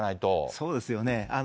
そうですよね。